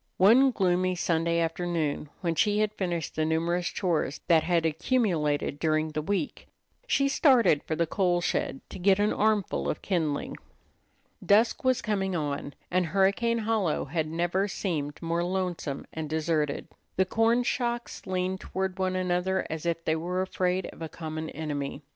One gloomy Sunday afternoon when she had finished the numerous chores that had accumulated during the week, she started for the coal shed to get an armful of kindling. Dusk was coming on, and Hurricane Hollow had never seemed more lonesome and deserted. The corn shocks leaned toward one another as if they were afraid of a common enemy.